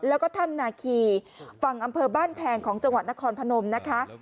แล้วก็ถ้ำนาคีฝั่งอำเภอบ้านแพงของจังหวัดนครพนมนะคะ